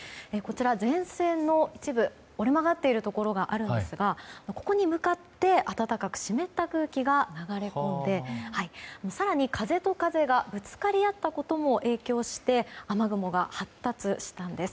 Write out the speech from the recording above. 前線の一部に、折れ曲がっているところがあるんですがここに向かって暖かく湿った空気が流れ込んで、更に風と風がぶつかり合ったことも影響して雨雲が発達したんです。